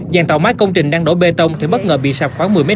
dạng tạo mái công trình đang đổ bê tông thì bất ngờ bị sập khoảng một mươi m hai